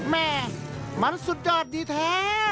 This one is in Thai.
แม่มันสุดยอดดีแท้